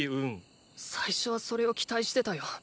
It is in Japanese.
最初はそれを期待してたよ。